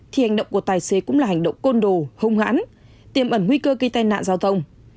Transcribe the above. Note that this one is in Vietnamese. thì hành động của tài xế cũng là hành động côn đồ hung hãn tiềm ẩn nguy cơ gây tai nạn giao thông